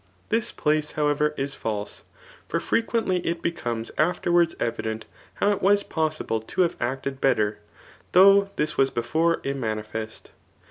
This place, however, is false ; for frequently, it becomes i^isrwards evident how it was possible to have acted better, though this was before imnianifest.